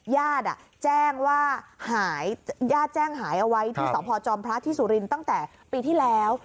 ญาติแจ้งว่าหายญาติแจ้งหายเอาไว้ที่สพจอมพระที่สุรินทร์ตั้งแต่ปีที่แล้ว